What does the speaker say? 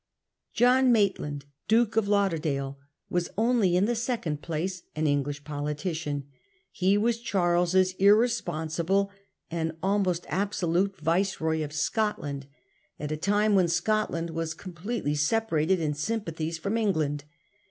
John Maitland, Duke of Lauderdale, was only in the 196 Charles II. and the jCabal 1671. second place an English politician/ He was Charles's irresponsible and almost absolute viceroy of Scotland, at a time when Scotland was completely separated in sympathies from England.